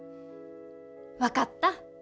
分かった。